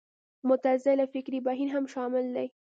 معتزله فکري بهیر هم شامل دی